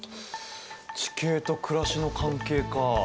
地形と暮らしの関係か。